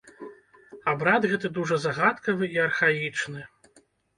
Абрад гэты дужа загадкавы і архаічны.